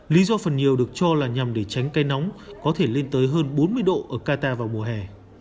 lý do phần nhiều được cho là nhằm để tránh cây nóng có thể lên tới hơn bốn mươi độ ở qatar vào mùa hè